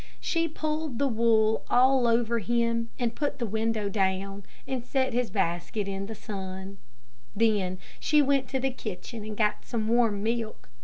She pulled the wool all over him and put the window down, and set his basket in the sun, Then she went to the kitchen and got some warm milk.